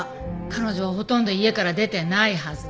彼女はほとんど家から出てないはず。